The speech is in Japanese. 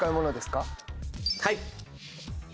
はい。